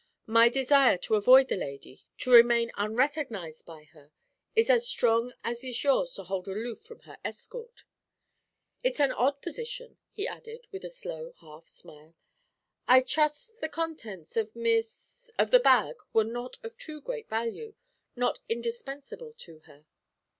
My desire to avoid the lady, to remain unrecognised by her, is as strong as is yours to hold aloof from her escort. It's an odd position,' he added, with a slow half smile. 'I trust the contents of Miss of the bag were not of too great value not indispensable to her?'